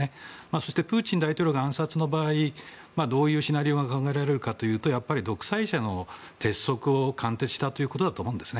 そして、プーチン大統領が暗殺の場合、どういうシナリオが考えられるかというとやっぱり独裁者の鉄則を貫徹したということだと思います。